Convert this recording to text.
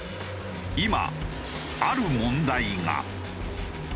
今ある問題が。